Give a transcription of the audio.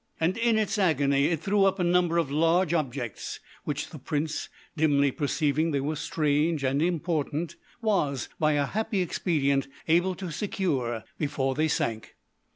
And in its agony it threw up a number of large objects, which the Prince, dimly perceiving they were strange and important, was, by a happy expedient, able to secure before they sank.